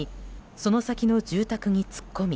その先の住宅に突っ込み